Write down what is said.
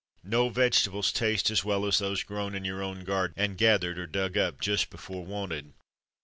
No vegetables taste as well as those grown in your own garden, and gathered, or dug up, just before wanted.